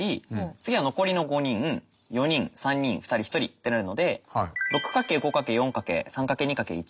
次は残りの５人４人３人２人１人ってなるので６×５×４×３×２×１通りですよね